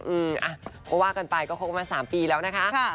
อืมอ่ะเพราะว่ากันไปเค้าก็มา๓ปีแล้วนะคะ